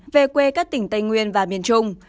về quê các tỉnh tây nguyên và miền trung